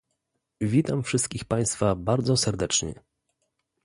Witam wszystkich państwa bardzo serdecznie